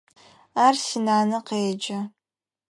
Ар синанэ къеджэ.